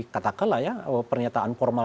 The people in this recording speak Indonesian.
katakala ya pernyataan formal